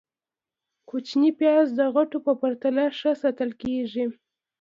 - کوچني پیاز د غټو په پرتله ښه ساتل کېږي.